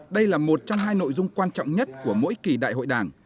đây là một trong hai nội dung quan trọng nhất của mỗi kỳ đại hội đảng